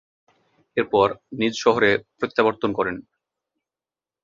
এরপর নিজ শহরে প্রত্যাবর্তন করেন।